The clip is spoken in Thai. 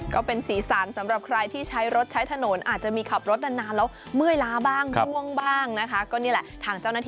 ก็เป็นสีสันสำหรับใครที่ใช้รถใช้ถนนอาจจะมีขับรถนานแล้วเมื่อยล้าบ้างง่วงบ้างนะคะ